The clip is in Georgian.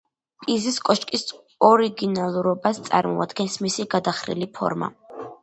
პიზის კოშკის ორიგინალურობას წარმოადგენს მისი გადახრილი ფორმა.